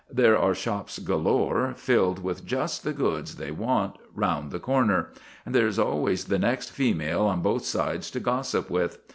There are shops galore, filled with just the goods they want, round the corner; and there is always the next female on both sides to gossip with.